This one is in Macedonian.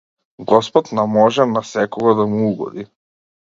Господ на може на секого да му угоди.